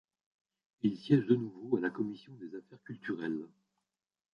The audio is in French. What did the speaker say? Il siège de nouveau à la commission des affaires culturelles.